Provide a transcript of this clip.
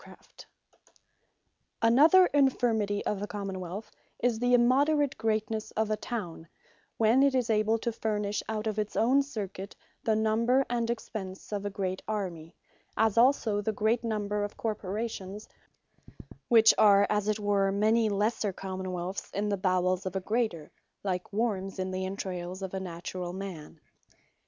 Excessive Greatnesse Of A Town, Multitude Of Corporations Another infirmity of a Common wealth, is the immoderate greatnesse of a Town, when it is able to furnish out of its own Circuit, the number, and expence of a great Army: As also the great number of Corporations; which are as it were many lesser Common wealths in the bowels of a greater, like wormes in the entrayles of a naturall man.